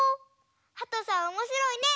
はとさんおもしろいね！